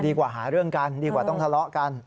หาเรื่องกันดีกว่าต้องทะเลาะกัน